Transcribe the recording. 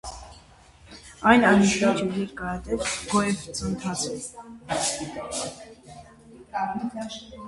Այն անընդմեջ և երկարատև գոևծընթաց է։